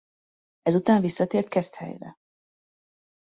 Ezután visszatért Keszthelyre.